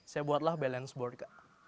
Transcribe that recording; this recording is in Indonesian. saya buatlah balance board